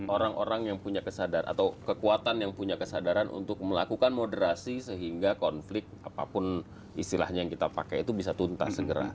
orang orang yang punya kesadaran atau kekuatan yang punya kesadaran untuk melakukan moderasi sehingga konflik apapun istilahnya yang kita pakai itu bisa tuntas segera